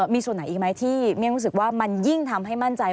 มีส่วนไหนอีกไหมที่เมี่ยงรู้สึกว่ามันยิ่งทำให้มั่นใจ